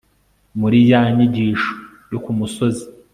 muri ya nyigisho yo ku musozi